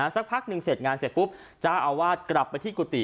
สักพักหนึ่งเสร็จงานเสร็จปุ๊บเจ้าอาวาสกลับไปที่กุฏิ